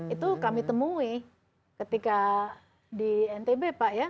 itu kami temui ketika di ntb pak ya